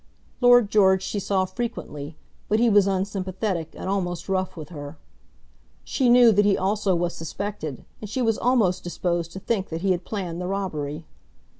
Lord George she saw frequently; but he was unsympathetic and almost rough with her. She knew that he also was suspected, and she was almost disposed to think that he had planned the robbery.